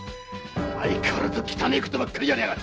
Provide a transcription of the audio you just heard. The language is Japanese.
相変わらず汚ねえことばかりやりやがって。